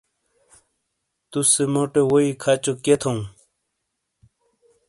توسے موٹے ووئی کھچوکئیے تھو ؟